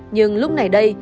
nhưng lúc này đây